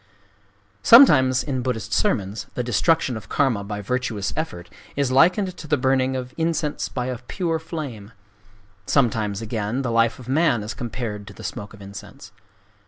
Sometimes in Buddhist sermons the destruction of Karma by virtuous effort is likened to the burning of incense by a pure flame,—sometimes, again, the life of man is compared to the smoke of incense.